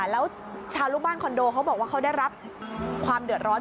แล้วชาวลูกบ้านคอนโดเขาบอกว่าเขาได้รับความเดือดร้อน